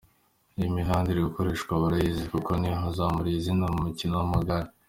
Iyi mihanda iri gukoreshwa barayizi kuko ni ho bazamuriye izina mu mukino w’amagare.